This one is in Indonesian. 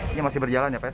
ini masih berjalan ya pak